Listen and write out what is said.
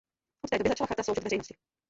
Od té doby začala chata sloužit veřejnosti.